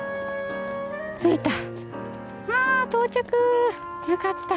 着いた！